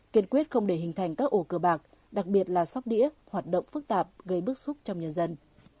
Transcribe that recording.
kiên quyết không để hình thành các ổ cơ bạc đặc biệt là sóc đĩa hoạt động phức tạp gây bức xúc trong nhân dân